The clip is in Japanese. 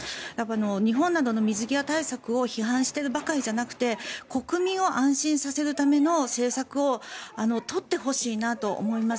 日本などの水際対策を批判しているばかりじゃなくて国民を安心させるための政策を取ってほしいなと思います。